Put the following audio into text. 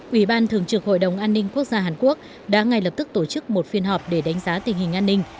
ủy ban thường trực hội đồng an ninh quốc gia hàn quốc đã ngay lập tức tổ chức một phiên họp để đánh giá tình hình an ninh